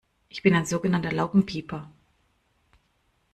Ich bin ein sogenannter Laubenpieper.